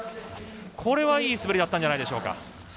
これはいい滑りだったんじゃないでしょうか。